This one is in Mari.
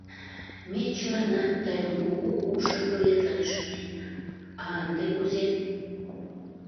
Ме чыланат тыйын кугу уш-акылетлан ӱшаненна, а ынде кузе?..